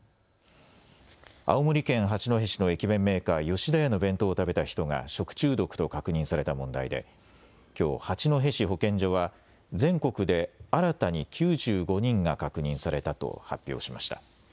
青森県八戸市の駅弁メーカー吉田屋の弁当を食べた人が食中毒と確認された問題できょう八戸市保健所は全国で新たに９５人が確認されたと発表しました。